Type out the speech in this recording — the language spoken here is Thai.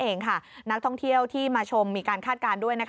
เองค่ะนักท่องเที่ยวที่มาชมมีการคาดการณ์ด้วย